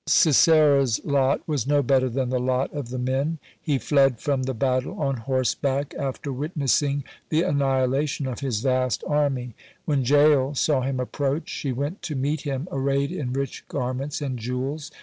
(83) Sisera's lot was no better than the lot of the men. He fled from the battle on horseback (84) after witnessing the annihilation of his vast army. When Jael saw him approach, she went to meet him arrayed in rich garments and jewels.